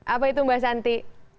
apa itu mbak santi